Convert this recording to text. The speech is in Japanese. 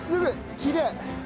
きれい。